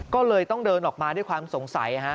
ก็เลยต้องเดินออกมาด้วยความสงสัย